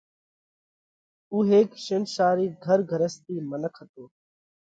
اُو هيڪ شينشارِي گھر گھرستِي منک هتو۔